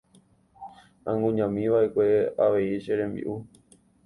Angujami va'ekue avei che rembi'u.